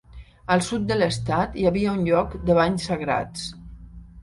Al sud de l'estat hi havia un lloc de banys sagrats.